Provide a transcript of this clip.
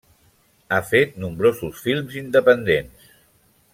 Ha fet nombrosos films independents.